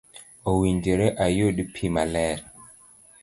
owinjore ayud pi maler.